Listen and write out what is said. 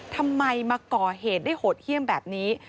ทำไมมาก่อเหตุได้โหดเยี่ยมแบบนี้